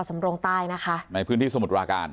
มีกล้วยติดอยู่ใต้ท้องเดี๋ยวพี่ขอบคุณ